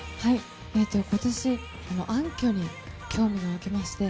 今年暗渠に興味が湧きまして。